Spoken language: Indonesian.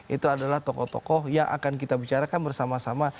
itu adalah tokoh tokoh yang akan kita bicarakan bersama sama